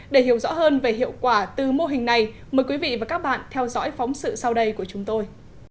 để hiểu rõ hơn về hiệu quả từ mô hình này mời quý vị và các bạn theo dõi phóng sự sau đây của chúng tôi